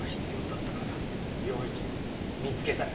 陽一見つけたよ